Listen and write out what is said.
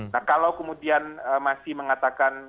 nah kalau kemudian masih mengatakan